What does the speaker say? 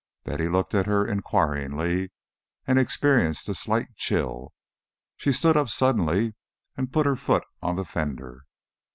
Betty looked at her inquiringly, and experienced a slight chill. She stood up suddenly and put her foot on the fender.